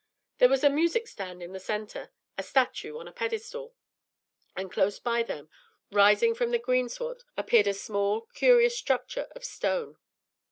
There was a music stand in the centre, a statue on a pedestal; and close by them, rising from the greensward, appeared a small, curious structure of stone.